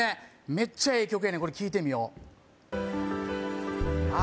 めっちゃええ曲やねんこれ聴いてみようああ